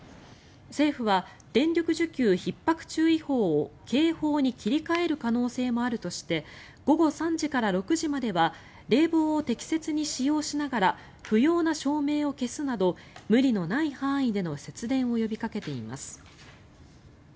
政府は電力需給ひっ迫注意報を警報に切り替える可能性もあるとして午後３時から６時までは冷房を適切に使用しながら不要な照明を消すなど無理のない範囲での節電を呼びかけています。